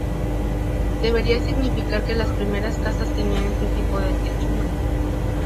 Debería significar que las primeras casas tenían este tipo de techumbre.